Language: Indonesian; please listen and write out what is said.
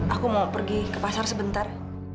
aku mau pergi ke pasar sebentar